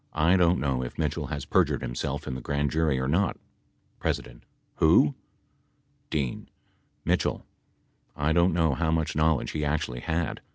I don't know if Mitchell has perjured himself in the Grand Jury or not. P. Who? D. Mitchell. I don't know how much knowledge he actually had.